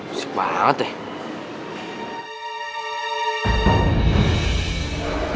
musik banget ya